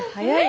はい。